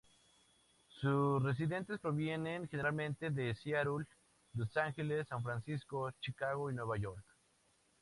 Sus residentes provienen generalmente de Seattle, Los Ángeles, San Francisco, Chicago y Nueva York.